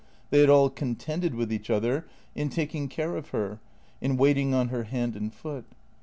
They had all contended with each other in taking care of her, in waiting on her hand and foot.